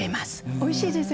おいしいですよ。